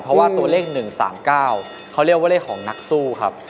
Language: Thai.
เพราะว่าตัวเลข๑๓๙เขาเรียกว่าเลขของนักสู้ครับ